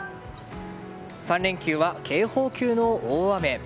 ３連休は警報級の大雨。